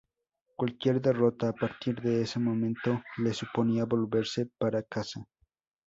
Cualquier derrota a partir de ese momento le suponía volverse para casa.